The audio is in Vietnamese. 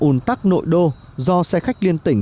ồn tắc nội đô do xe khách liên tỉnh